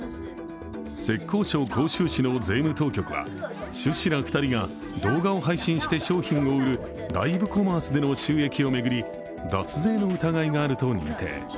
浙江省杭州市の税務当局は、朱氏ら２人が動画を配信して商品を売るライブコマースでの収益を巡り脱税の疑いがあると認定。